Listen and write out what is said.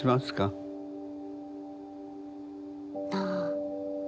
ああ。